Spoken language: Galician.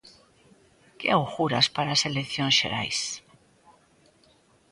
Que auguras para as eleccións xerais?